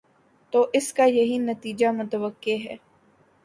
تو اس کا یہی نتیجہ متوقع ہے۔